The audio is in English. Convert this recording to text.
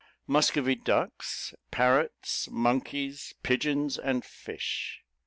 Muscovy ducks, parrots, monkeys, pigeons, and fish.